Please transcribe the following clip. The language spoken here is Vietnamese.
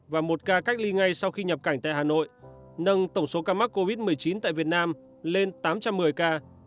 và một ca cách ly ngay sau khi nhập cảnh tại hà nội nâng tổng số ca mắc covid một mươi chín tại việt nam lên tám trăm một mươi ca